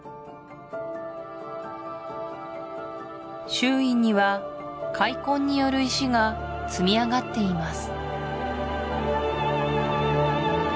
周囲には開墾による石が積み上がっています